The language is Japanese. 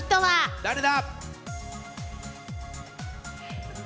誰だ。